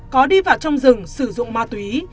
có đi vào trong rừng sử dụng ma túy